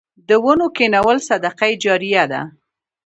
د ونو کینول صدقه جاریه ده.